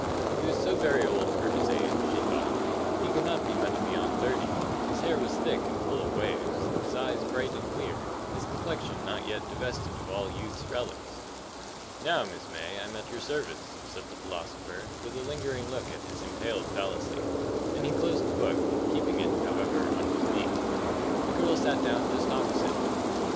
He was so very old for his age, she thought; he could not be much beyond thirty; his hair was thick and full of waves, his eyes bright and clear, his complexion not yet divested of all youth's relics. "Now, Miss May, I'm at your service," said the philosopher, with a lingering look at his impaled fallacy; and he closed the book, keeping it, however, on his knee. The girl sat down just opposite to him.